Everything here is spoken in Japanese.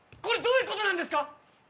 これどういうことなんですか